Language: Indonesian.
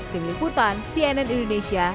tim liputan cnn indonesia